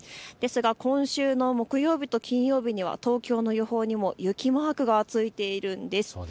ですが今週の木曜日と金曜日には東京の予報にも雪マークがついているんです。